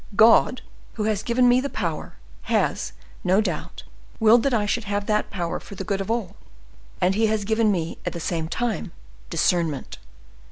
God, who has given me the power, has, no doubt, willed that I should have that power for the good of all, and He has given me, at the same time, discernment.